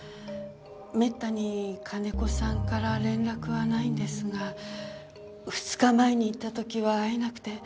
めったに金子さんから連絡はないんですが２日前に行った時は会えなくて。